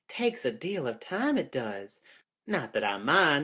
It takes a deal of time, it does. Not that I mind.